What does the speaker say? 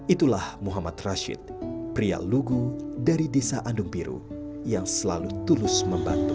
itulah muhammad rashid pria lugu dari desa andung biru yang selalu tulus membantu